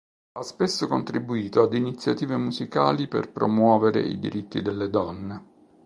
Ha spesso contribuito ad iniziative musicali per promuovere i diritti delle donne.